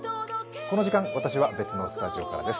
この時間、私は別のスタジオからです。